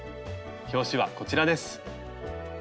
表紙はこちらです。